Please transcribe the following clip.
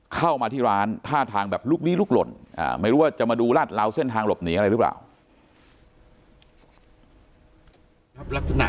เข้ามาที่ร้านท่าทางแบบลุกลี้ลุกหล่นไม่รู้ว่าจะมาดูลาดเหลาเส้นทางหลบหนีอะไรหรือเปล่า